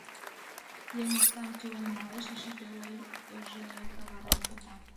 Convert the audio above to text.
Еҥ оксам тӱлен налеш, эше пелыже каварен пыта.